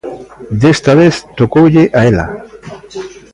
Desta vez tocoulle a ela.